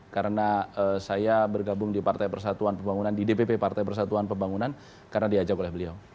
karena saya bergabung di partai persatuan pembangunan di dpp partai persatuan pembangunan karena diajak oleh beliau